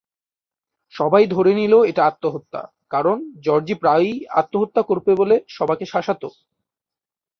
সবাই ধরে নিল এটা আত্মহত্যা, কারণ জর্জি প্রায়ই আত্মহত্যা করবে বলে সবাইকে শাসাত।